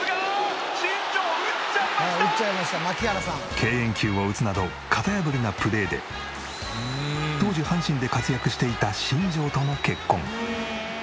敬遠球を打つなど型破りなプレーで当時阪神で活躍していた新庄との結婚。